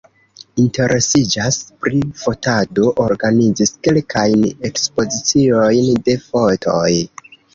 Interesiĝas pri fotado, organizis kelkajn ekspoziciojn de fotoj.